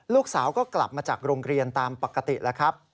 ลูกสาวก็กลับมาจากโรงเรียนตามปกติแล้วครับ